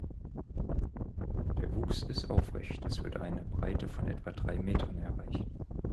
Der Wuchs ist aufrecht, es wird eine Breite von etwa drei Metern erreicht.